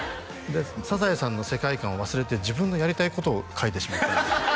「サザエさん」の世界観を忘れて自分のやりたいことを書いてしまったんですよ